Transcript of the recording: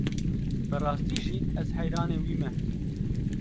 Bi rastî jî ez heyranê wî me.